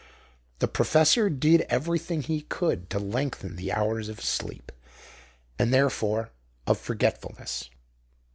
The professor did everything he could to lengthen the hours of sleep, and therefore of forgetfulness.